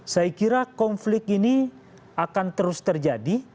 saya kira konflik ini akan terus terjadi